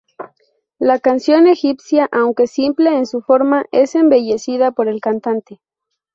La canción egipcia, aunque simple en su forma, es embellecida por el cantante.